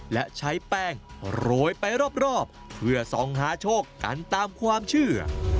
และใช้แป้งโรยไปรอบเพื่อส่องหาโชคกันตามความเชื่อ